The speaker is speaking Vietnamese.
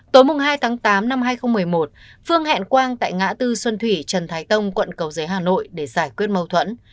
tối hai tháng tám năm hai nghìn một mươi một phương hẹn quang tại ngã tư xuân thủy trần thái tông quận cầu giấy hà nội để giải quyết mâu thuẫn